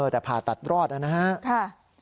แต่ผ่าตัดรอดนะฮะ